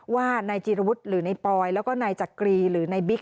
ว่านายจีรวุฒิหรือในปอยแล้วก็นายจักรีหรือนายบิ๊ก